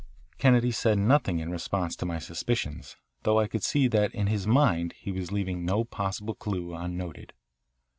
Kennedy said nothing in response to my suspicions, though I could see that in his mind he was leaving no possible clue unnoted.